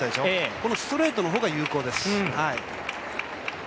このストレートの方が有効です。